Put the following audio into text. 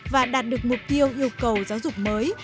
và đạt được mục tiêu yêu cầu giáo dục mới